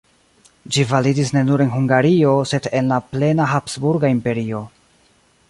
Ĝi validis ne nur en Hungario, sed en la plena Habsburga Imperio.